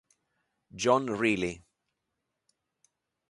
John Reilly